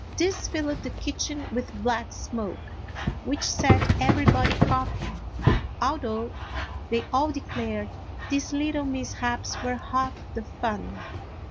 This filled the kitchen with black smoke, which set everybody coughing, although they all declared these little mishaps were half the fun.